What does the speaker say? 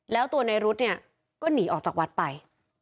แล้วตัวในรุ๊ดเนี่ยก็หนีออกจากวัดไป